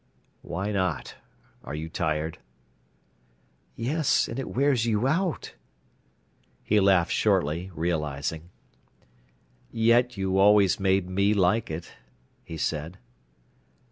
"Why not? Are you tired?" "Yes, and it wears you out." He laughed shortly, realising. "Yet you always make me like it," he said.